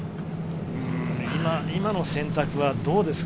今の選択はどうですか？